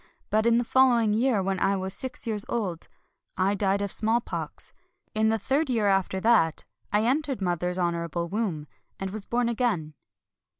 But in the following year, when I was six years old, I died of smallpox. In the third year after that I entered mother's honorable womb, and was born again."